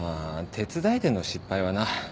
手伝いでの失敗はな。